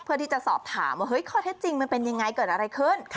เพื่อที่จะสอบถามว่าเฮ้ยข้อเท็จจริงมันเป็นยังไงเกิดอะไรขึ้น